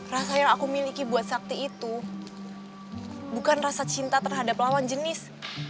rasa yang aku miliki buat sakti itu bukan rasa cinta terhadap lawan jenis